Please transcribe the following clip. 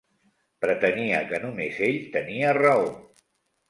Pretenia que només ell tenia raó.